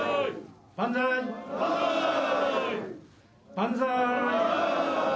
万歳！